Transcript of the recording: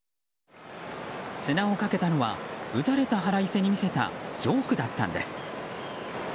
砂をかけたのは打たれた腹いせに見せたジョークだったんです。